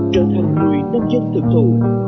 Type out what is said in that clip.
trở thành người nông dân thực thụ